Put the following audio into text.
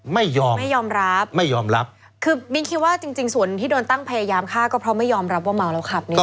ไม่ยอมไม่ยอมรับไม่ยอมรับคือมิ้นคิดว่าจริงจริงส่วนที่โดนตั้งพยายามฆ่าก็เพราะไม่ยอมรับว่าเมาแล้วขับเนี่ย